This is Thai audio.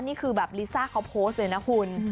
นี่คือแบบลิซ่าเขาโพสต์เลยนะคุณ